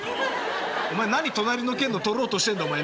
お前何隣の県の取ろうとしてんだお前なあ。